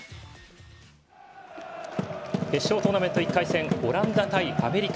決勝トーナメント１回戦オランダ対アメリカ。